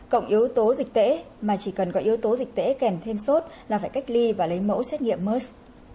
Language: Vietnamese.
cộng yếu tố dịch tễ mà chỉ cần có yếu tố dịch tễ kèm thêm sốt là phải cách ly và lấy mẫu xét nghiệm mers